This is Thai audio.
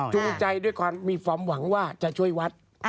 จูงใจด้วยความมีความหวังว่าจะช่วยวัด